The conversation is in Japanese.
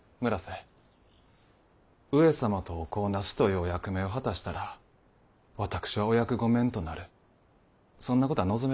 上様とお子をなすというお役目を果たしたら私はお役御免となるそんなことは望めるか。